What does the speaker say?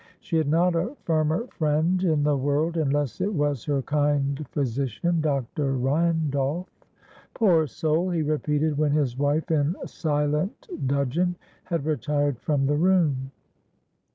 She had not a firmer friend in the world, unless it was her kind physician, Dr. Randolph. "Poor soul!" he repeated when his wife in silent dudgeon had retired from the room.